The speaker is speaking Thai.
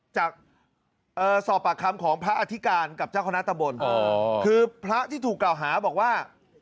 จากสอบปากคำของพระอธิการกับเจ้าคณะตำบลคือพระที่ถูกกล่าวหาบอกว่า